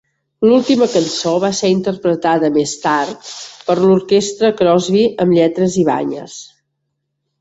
L'última cançó va ser interpretada més tard per l'orquestra Crosby amb lletres i banyes.